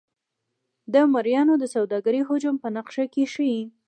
د مریانو د سوداګرۍ حجم په نقشه کې ښيي.